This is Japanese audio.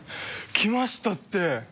来ましたって。